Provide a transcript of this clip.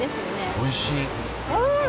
おいしい！